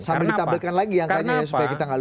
sambil ditampilkan lagi angkanya ya supaya kita nggak lulus